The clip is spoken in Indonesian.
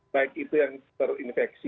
baik itu yang terinitiasi